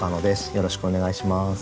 よろしくお願いします。